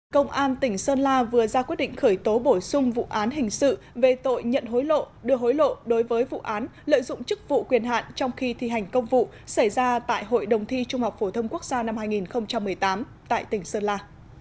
công an tỉnh sơn la vừa ra quyết định khởi tố bổ sung vụ án hình sự về tội nhận hối lộ đưa hối lộ đối với vụ án lợi dụng chức vụ quyền hạn trong khi thi hành công vụ xảy ra tại hội đồng thi trung học phổ thông quốc gia năm hai nghìn một mươi tám tại tỉnh sơn la